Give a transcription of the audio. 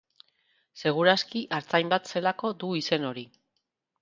Segur aski artzain bat zelako du izen hori.